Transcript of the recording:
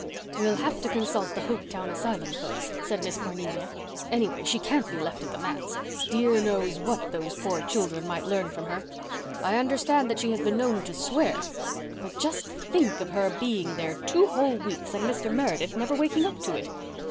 "We'll have to consult the Hopetown asylum folks," said Miss Cornelia. "Anyway, she can't be left at the manse. Dear knows what those poor children might learn from her. I understand that she has been known to swear. But just think of her being there two whole weeks and Mr Meredith never waking up to it!